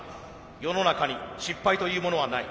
世の中に失敗というものはない。